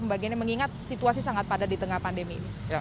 pembagiannya mengingat situasi sangat pada di tengah pandemi ini